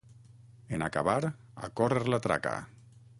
En acabar, a córrer la traca!